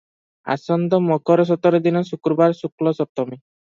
ଆସନ୍ତା ମକର ସତର ଦିନ, ଶୁକ୍ରବାର, ଶୁକ୍ଳ ସପ୍ତମୀ ।